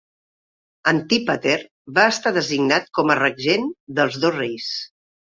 Antípater va estar designat com a regent dels dos reis.